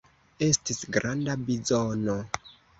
Estis granda bizono.